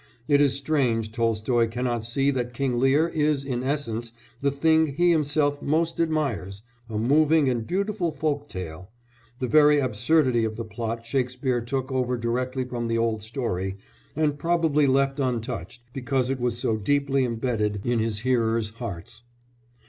It is strange Tolstoy cannot see that King Lear is in essence, the thing he himself most admires a moving and beautiful folk tale; the very absurdity of the plot Shakespeare took over directly from the old story, and probably left untouched because it was so deeply embedded in his hearers' hearts.